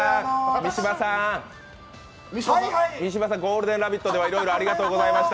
三島さーん、「ゴールデンラヴィット！」ではいろいろありがとうございました。